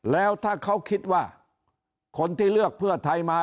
แล้วถ้าเขาคิดว่าคนที่เลือกเพื่อไทยมา